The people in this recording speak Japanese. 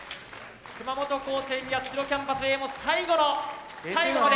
熊本高専八代キャンパスＡも最後の最後まで。